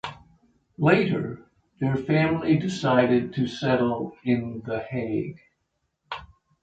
Later, their family decided to settle in The Hague.